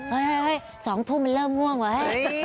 เฮ่ยสองทุ่มมันเริ่มง่วงไว้